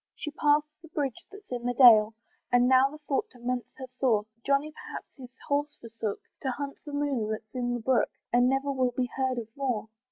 She's past the bridge that's in the dale, And now the thought torments her sore, Johnny perhaps his horse forsook, To hunt the moon that's in the brook, And never will be heard of more.